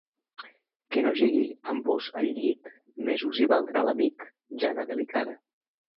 Que no jegui amb vós al llit, més us hi valdrà l'amic, Jana delicada.